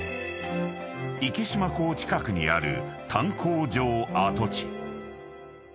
［池島港近くにある炭鉱場跡地］